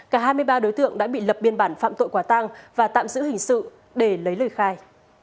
cả hai mươi ba đối tượng đã bị lập biên bản phạm tội quả tăng và tạm giữ hình sự để lấy lời khai